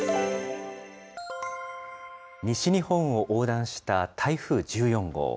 西日本を横断した台風１４号。